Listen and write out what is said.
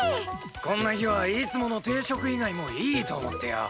こんな日はいつもの定食以外もいいと思ってよ。